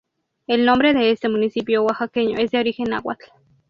El nombre de este municipio oaxaqueño es de origen náhuatl.